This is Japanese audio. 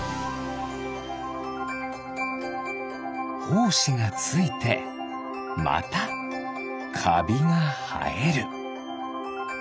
ほうしがついてまたかびがはえる。